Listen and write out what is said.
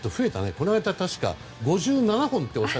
この間は、確か５７本って。